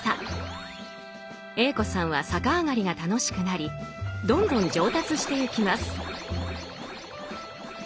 Ａ子さんは逆上がりが楽しくなりどんどん上達してゆきます。